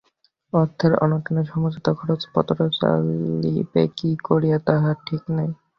অর্থের অনটনে সমস্ত খরচপত্র চলিবে কী করিয়া তাহার ঠিক নাই।